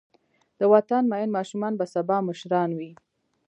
د وطن مین ماشومان به سبا مشران وي.